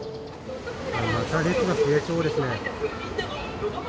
また列が増えそうですね。